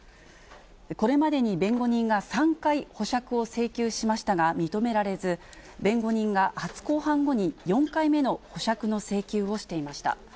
これまでに弁護人が３回保釈を請求しましたが認められず、弁護人が初公判後に、４回目の保釈の請求をしていました。